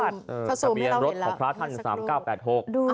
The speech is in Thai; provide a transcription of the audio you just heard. ถ่าสูงให้เราเห็นแล้ว